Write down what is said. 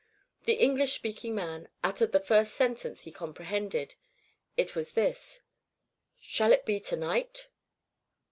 The English speaking man uttered the first sentence he comprehended. It was this: "Shall it be to night?"